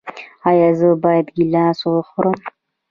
ایا زه باید ګیلاس وخورم؟